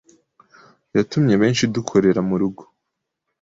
yatumye benshi dukorera mu rugo,